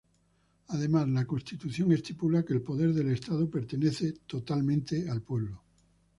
Además, la constitución estipula que el poder del Estado pertenece totalmente al pueblo.